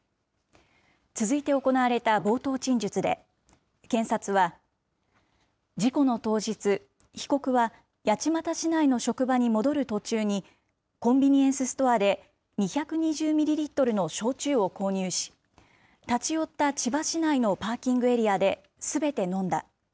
続いて行われた冒頭陳述で、検察は、事故の当日、被告は八街市内の職場に戻る途中に、コンビニエンスストアで２２０ミリリットルの焼酎を購入し、立ち寄った千葉市内のパーキングエリアですべて飲んだ。